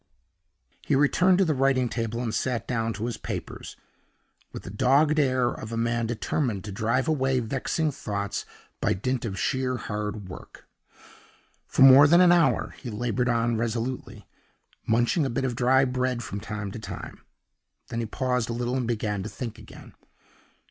He returned to the writing table and sat down to his papers, with the dogged air of a man determined to drive away vexing thoughts by dint of sheer hard work. For more than an hour he labored on resolutely, munching a bit of dry bread from time to time. Then he paused a little, and began to think again.